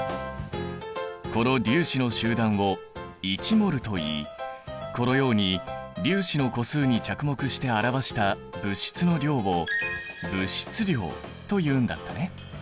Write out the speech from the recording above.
この粒子の集団を１ｍｏｌといいこのように粒子の個数に着目して表した物質の量を物質量というんだったね。